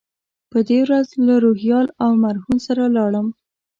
په دې ورځ له روهیال او مرهون سره لاړم.